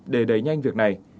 để đẩy nhanh việc này